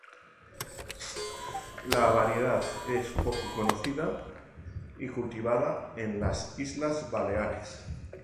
La variedad es poco conocida y cultivada en las Islas Baleares.